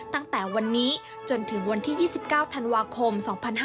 ตั้งแต่วันนี้จนถึงวันที่๒๙ธันวาคม๒๕๕๙